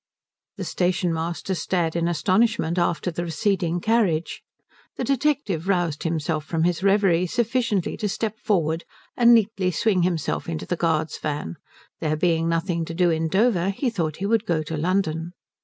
The station master stared in astonishment after the receding carriage. The detective roused himself from his reverie sufficiently to step forward and neatly swing himself into the guard's van: there being nothing to do in Dover he thought he would go to London.